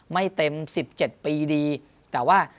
ไม่เต็ม๑๗ปีดีแต่ว่า